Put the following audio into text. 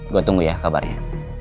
gue tunggu ya kabarnya